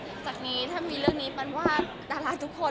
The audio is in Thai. หลังจากนี้ถ้ามีเรื่องนี้ปันว่าดาราทุกคน